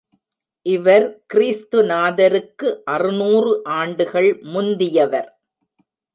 இவர் கிறிஸ்து நாதருக்கு அறுநூறு ஆண்டுகள் முந்தியவர்.